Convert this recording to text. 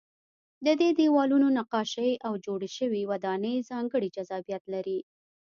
د دې دیوالونو نقاشۍ او جوړې شوې ودانۍ ځانګړی جذابیت لري.